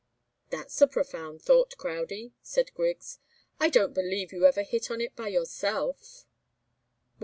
"That's a profound thought, Crowdie," said Griggs. "I don't believe you ever hit on it by yourself."